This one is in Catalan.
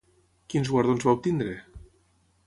Quins guardons va obtenir?